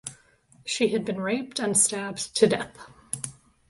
She had been raped and stabbed to death.